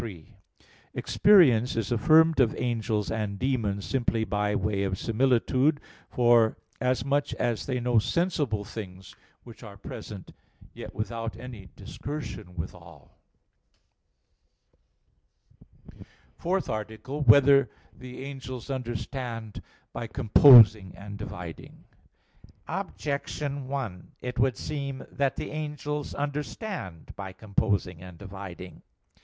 3: Experience is affirmed of angels and demons simply by way of similitude, forasmuch as they know sensible things which are present, yet without any discursion withal. _______________________ FOURTH ARTICLE [I, Q. 58, Art. 4] Whether the Angels Understand by Composing and Dividing? Objection 1: It would seem that the angels understand by composing and dividing.